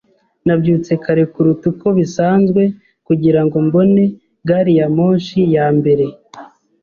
Nabyutse kare kuruta uko bisanzwe kugirango mbone gari ya moshi ya mbere.